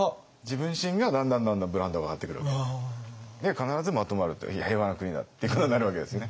必ずまとまるという平和な国だってことになるわけですね。